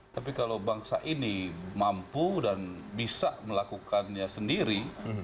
tapi kalau bangsa ini mampu dan bisa melakukannya sendiri